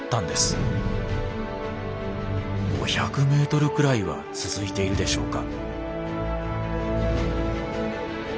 ５００メートルくらいは続いているでしょうか。